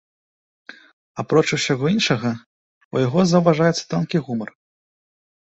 Апроч усяго іншага, у яго заўважаецца тонкі гумар.